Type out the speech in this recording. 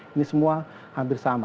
ini semua hampir sama